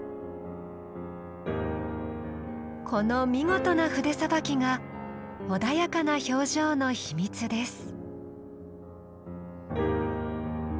この見事な筆さばきが穏やかな表情の秘密です。